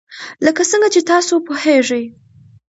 لکه څنګه چې تاسو پوهیږئ.